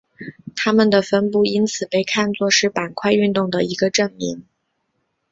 它们的分布因此被看作是板块运动的一个证明。